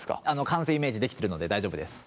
完成イメージ出来てるので大丈夫です。